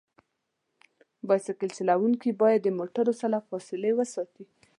بایسکل چلونکي باید د موټرو سره فاصله وساتي.